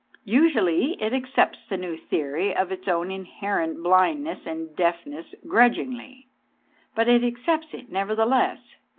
Usually it accepts the new theory of its own inherent blindness and deafness grudgingly, but it accepts it nevertheless.